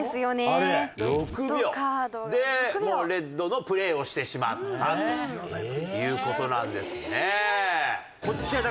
６秒でもうレッドのプレーをしてしまったという事なんですね。